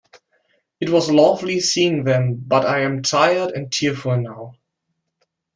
It was lovely seeing them, but I am tired and tearful now.